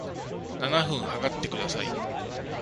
七分測ってください